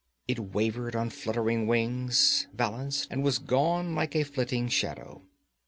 It wavered on fluttering wings, balanced, and was gone like a flitting shadow.